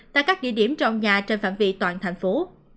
tại các địa điểm trong nhà trên phạm vị toàn thành phố